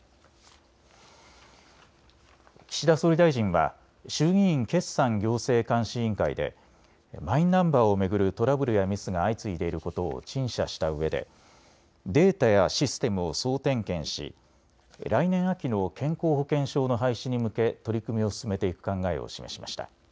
岸田総理大臣は衆議院決算行政監視委員会でマイナンバーを巡るトラブルやミスが相次いでいることを陳謝したうえでデータやシステムを総点検し来年秋の健康保険証の廃止に向け取り組みを進めていく考えを示しました。